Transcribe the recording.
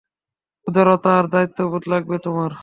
উদারতা আর দায়িত্ববোধ লাগবে তোমার।